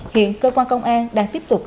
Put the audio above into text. hiện cơ quan công an đang tiếp tục